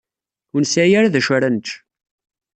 Ur nesɛi ara d acu ara nečč.